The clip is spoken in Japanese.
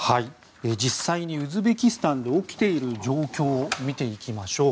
実際にウズベキスタンで起きている状況を見ていきましょう。